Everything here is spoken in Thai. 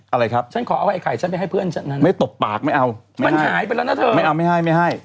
อะไรครับฉันขอเอาไอ้ไข่ฉันไปให้เพื่อนฉันนั้นไม่ตบปากไม่เอามันหายไปแล้วนะเธอไม่เอาไม่ให้ไม่ให้